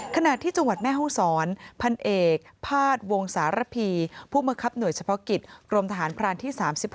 ขณะที่จังหวัดแม่ห้องศรพันเอกภาษณ์วงสารพีผู้บังคับหน่วยเฉพาะกิจกรมทหารพรานที่๓๑